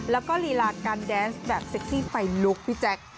แล้วก็ลีลาการแดนส์แบบเซ็กซี่ไฟลุกพี่แจ๊ค